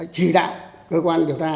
chỉ đạo cơ quan điều tra